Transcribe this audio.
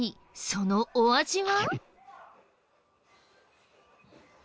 そのお味は？